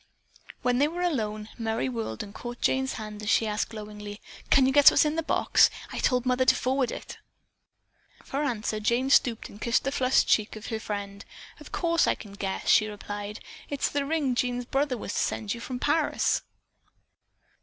When they were alone, Merry whirled and caught Jane's hands as she asked glowingly: "Can you guess what's in the box? I told mother to forward it." For answer Jane stooped and kissed the flushed cheek of her friend. "Of course, I can guess," she replied. "It's the ring Jean's brother was to send you from Paris."